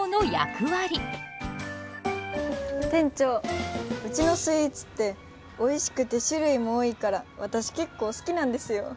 店長うちのスイーツっておいしくて種類も多いから私結構好きなんですよ。